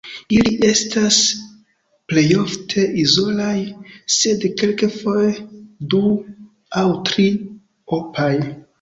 Ili estas plejofte izolaj sed kelkfoje du aŭ tri–opaj.